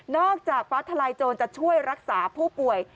จากฟ้าทลายโจรจะช่วยรักษาผู้ป่วย